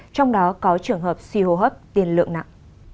trong đó có trường hợp suy hô hấp tiền lượng nặng